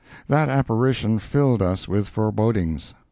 That apparition filled us with forebodings.